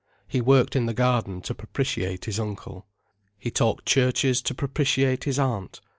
He worked in the garden to propitiate his uncle. He talked churches to propitiate his aunt.